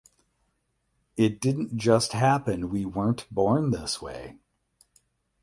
It didn’t just happen. We weren’t born this way.